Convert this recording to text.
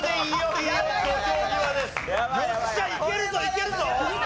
いけるぞいけるぞ！